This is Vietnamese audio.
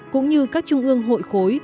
cũng như các trung ương hội khối